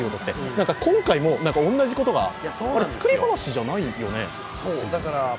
今回も同じことが、あれ、作り話じゃないよねと。